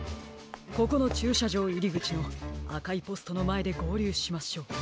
ここのちゅうしゃじょういりぐちのあかいポストのまえでごうりゅうしましょう。